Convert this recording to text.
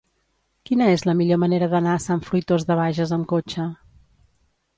Quina és la millor manera d'anar a Sant Fruitós de Bages amb cotxe?